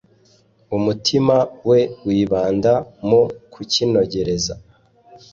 umutima we wibanda mu kukinogereza